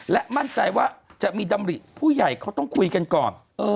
และมั่นใจว่าจะมีดำริผู้ใหญ่เขาต้องคุยกันก่อน